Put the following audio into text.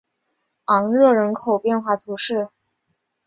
昂热人口变化图示